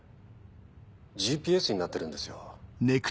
ＧＰＳになってるんですよ。